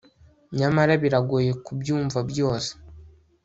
Nyamara biragoye kubyumva byose